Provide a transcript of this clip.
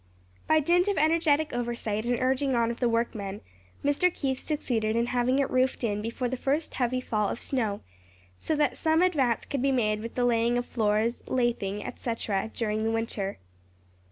By dint of energetic oversight and urging on of the workmen, Mr. Keith succeeded in having it roofed in before the first heavy fall of snow; so that some advance could be made with the laying of floors, lathing, etc., during the winter.